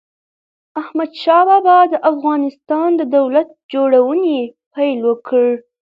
احمد شاه بابا د افغانستان د دولت جوړونې پيل وکړ.